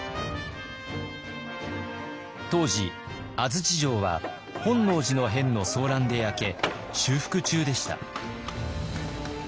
当時安土城は本能寺の変の争乱で焼け修復中でした。